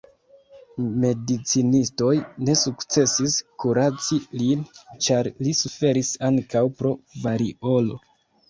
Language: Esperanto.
Medicinistoj ne sukcesis kuraci lin, ĉar li suferis ankaŭ pro variolo.